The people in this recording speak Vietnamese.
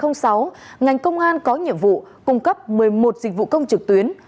ngành công an có nhiệm vụ cung cấp một mươi một dịch vụ công trực tuyến